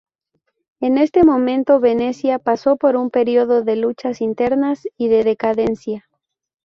En este momento, Venecia pasó por un período de luchas internas y de decadencia.